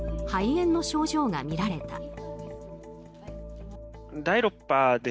肺炎の症状が見られた。